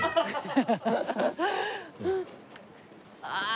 ああ！